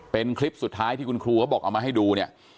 เป็นคลิปสุดท้ายที่คุณครูเขาบอกเอามาให้ดูเนี่ย